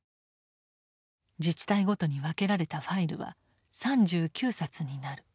自治体ごとに分けられたファイルは３９冊になる。